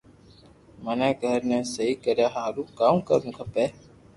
مني گھر نو سھي ڪرايا ھارون ڪاو ڪروُ کپي